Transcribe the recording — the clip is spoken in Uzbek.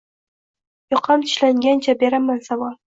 Yoqam tishlangancha beraman savol: